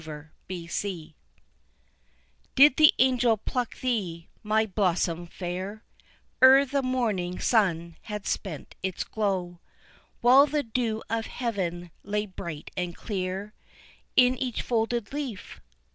A Bud Did the angel pluck thee, my blossom fair, Ere the morning sun had spent its glow, While the dew of heaven lay bright and clear In each folded leaf?